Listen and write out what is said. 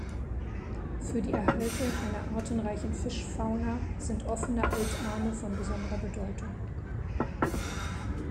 Für die Erhaltung einer artenreichen Fischfauna sind offene Altarme von besonderer Bedeutung.